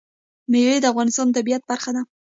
مېوې د افغانستان د طبیعت برخه ده.